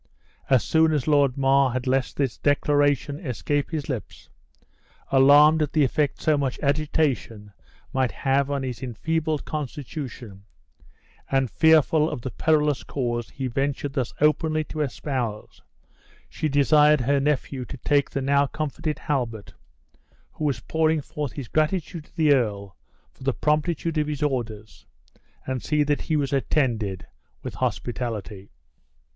As soon as Lord Mar had let this declaration escape his lips, alarmed at the effect so much agitation might have on his enfeebled constitution, and fearful of the perilous cause he ventured thus openly to espouse, she desired his nephew to take the now comforted Halbert (who was pouring forth his gratitude to the earl, for the promptitude of his orders), and see that he was attended with hospitality.